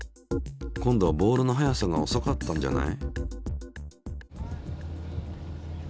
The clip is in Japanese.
今度はボールの速さがおそかったんじゃない？